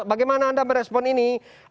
bagaimana anda merespon ini